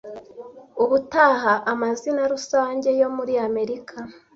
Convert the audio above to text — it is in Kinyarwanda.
ubutaha amazina rusange yo muri Amerika